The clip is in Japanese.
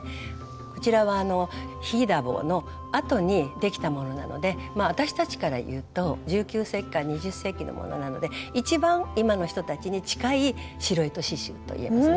こちらはヒーダボーのあとにできたものなので私たちからいうと１９世紀から２０世紀のものなので一番今の人たちに近い白糸刺しゅうといえますね。